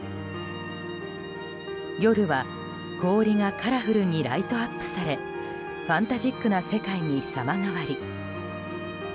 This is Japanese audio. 夜は氷がカラフルにライトアップされファンタジックな世界に様変わり。